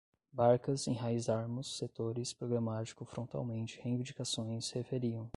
Barcas, enraizarmos, setores, programático, frontalmente, reivindicações, referiam